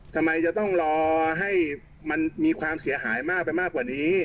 ทำไมจะต้องรอให้มันมีความเสียหายมากไปมากกว่านี้